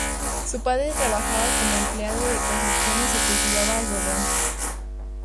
Su padre trabajaba como empleado de construcciones y cultivaba algodón.